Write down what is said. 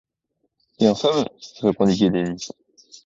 Et un fameux! répondit Kennedy.